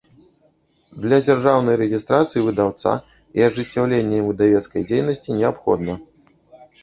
Для дзяржаўнай рэгiстрацыi выдаўца i ажыццяўлення iм выдавецкай дзейнасцi неабходна.